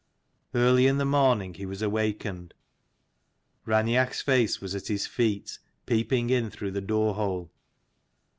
Early in the morning he was awakened. Raineach's face was at his feet, peeping in through the door hole.